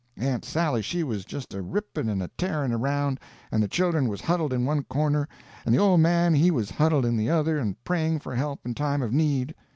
Aunt Sally she was just a ripping and a tearing around, and the children was huddled in one corner, and the old man he was huddled in the other and praying for help in time of need.